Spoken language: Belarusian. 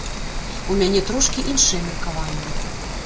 У мяне трошкі іншае меркаванне.